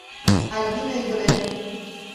Альбина ӱдырем!